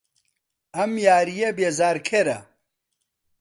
ئەم یارییە بێزارکەرە.